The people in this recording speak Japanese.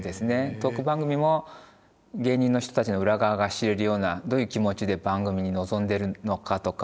トーク番組も芸人の人たちの裏側が知れるようなどういう気持ちで番組に臨んでるのかとか。